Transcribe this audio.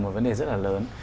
một vấn đề rất là lớn